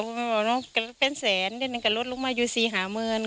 ก็เป็นแสนเรื่องรถลงมาอยู่สี่หาเมือง